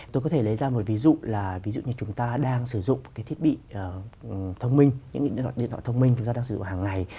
tôi có thể lấy ra một ví dụ là ví dụ như chúng ta đang sử dụng cái thiết bị thông minh những điện thoại thông minh chúng ta đang sử dụng hàng ngày